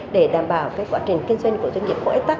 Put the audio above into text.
để đảm bảo quá trình kinh doanh của doanh nghiệp của s tac